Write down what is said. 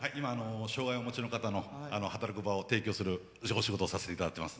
障害をお持ちの方の働く場を提供するお仕事をさせていただいてます。